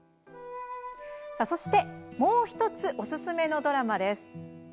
そして、もう１つおすすめのドラマです。